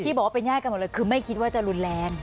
บอกว่าเป็นญาติกันหมดเลยคือไม่คิดว่าจะรุนแรง